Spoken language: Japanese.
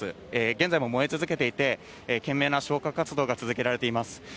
現在も燃え続けていて、懸命な消火活動が続けられています。